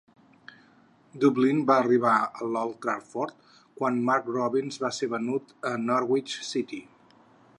Dublin va arribar a l'Old Trafford quan Mark Robins va ser venut al Norwich City.